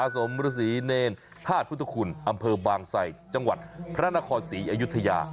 สมฤษีเนรธาตุพุทธคุณอำเภอบางไสจังหวัดพระนครศรีอยุธยา